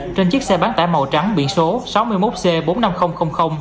trên chiếc xe bán tải màu trắng biển số sáu mươi một c bốn nghìn năm trăm linh